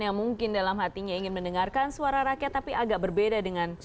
yang mungkin dalam hatinya ingin mendengarkan suara rakyat tapi agak berbeda dengan suara